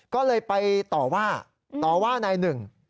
ก็เลยไปต่อว่าต่อว่านายหนึ่ง